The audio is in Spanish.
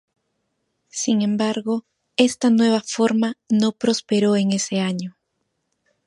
Sin embargo, está nueva forma no prosperó en ese año.